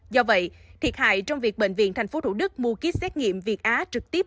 do vậy thiệt hại trong việc bệnh viện tp thủ đức mua kýt xét nghiệm việt á trực tiếp